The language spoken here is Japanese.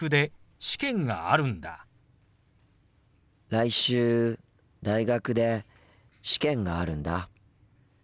来週大学で試験があるんだ。